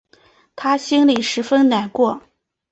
她心里十分难过